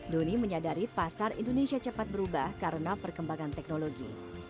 doni menyadari pasar indonesia cepat berubah karena perkembangan teknologi